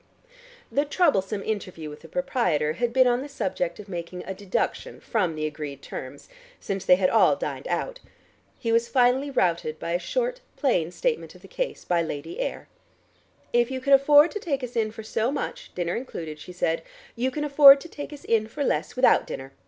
The troublesome interview with the proprietor had been on the subject of making a deduction from the agreed terms, since they had all dined out. He was finally routed by a short plain statement of the case by Lady Ayr. "If you can afford to take us in for so much, dinner included," she said, "you can afford to take us in for less without dinner.